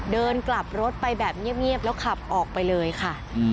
เดินกลับรถไปแบบเงียบแล้วขับออกไปเลยค่ะ